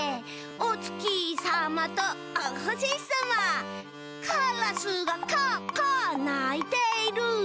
「おつきさまとおほしさま」「カラスがカアカアないている」